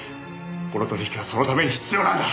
この取引はそのために必要なんだ。